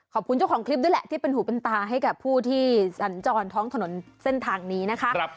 ขอบคุณเจ้าของคลิปด้วยแหละที่เป็นหูเป็นตาให้กับผู้ที่สัญจรท้องถนนเส้นทางนี้นะคะ